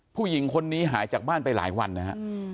ผู้หญิงคนนี้หายจากบ้านไปหลายวันนะฮะ